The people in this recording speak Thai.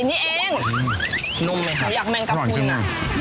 อร่อยนี่เองนุ่มไหมครับหรออย่างแม่งกะพรุนอร่อยจึงนะ